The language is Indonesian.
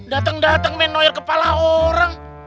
dateng dateng main noyer kepala orang